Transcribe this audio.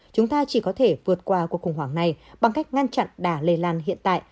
chúng ta chỉ có thể vượt qua cuộc khủng hoảng này bằng cách ngăn chặn đà lây lan hiện tại